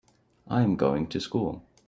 I'm going to school.